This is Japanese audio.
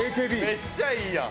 めっちゃいいやん！